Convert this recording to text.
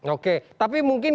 oke tapi mungkin